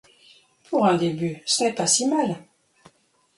Pour un début ce n'est pas si mal.